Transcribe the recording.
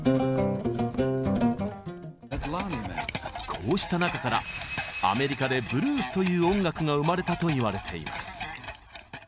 こうした中からアメリカでブルースという音楽が生まれたといわれています。